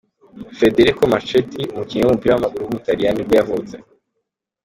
Federico Marchetti, umukinnyi w’umupira w’amaguru w’umutaliyani nibwo yavutse.